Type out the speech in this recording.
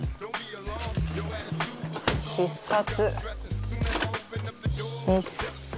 必殺。